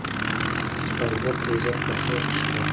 سوالګر ته عزت په خیر کې ښکاري